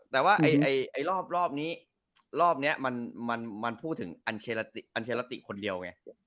แต่ว่ารอบนี้มันพูดถึงอัญเชฬราติคนเดียว